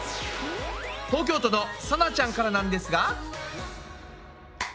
東京都のさなちゃんからなんですが。